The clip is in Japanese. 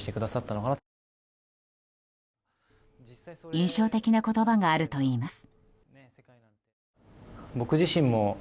印象的な言葉があるといいます。